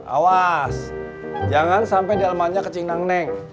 awas jangan sampe delmannya ke cingdang neng